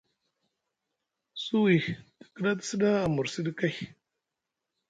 Suwi te kiɗa te sda amursiɗi kay.